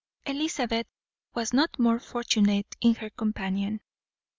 Elizabeth was not more fortunate in her companion.